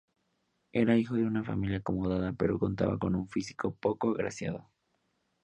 Era hijo de una familia acomodada pero contaba con un físico poco agraciado.